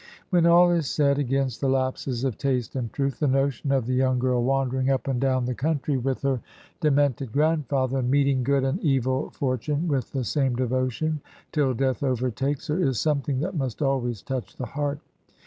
When all is said against the lapses of taste and truth, the notion of the yoimg girl wandering up and down the country with her 131 Digitized by VjOOQIC HEROINES OF FICTION demented grandfather, and meeting good and evil f ort ime with the same devotion, till death overtakes her, is something that must always touch the heart.